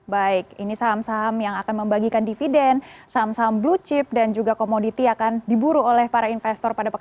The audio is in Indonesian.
baik ini saham saham yang akan membagikan dividen saham saham blue chip dan juga komoditi akan diburu oleh para investor